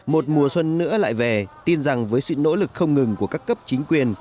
một mùa xuân nữa lại về tin rằng với sự nỗ lực không ngừng của các cấp chính quyền